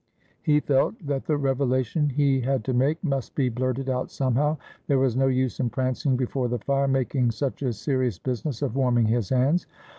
He felt that the revelation he had to make must be blurted out somehow. There was no use in prancing before the fire, making such a serious business of warming his hands.